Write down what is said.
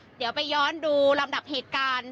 เดี๋ยวไปย้อนดูลำดับเหตุการณ์